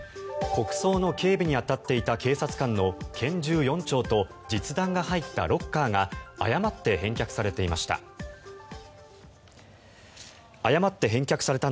国葬の警備に当たっていた警察官の拳銃４丁と実弾が入ったロッカーが誤って返却されていました。